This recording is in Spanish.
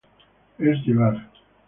Es llevar